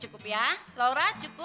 iya aku buka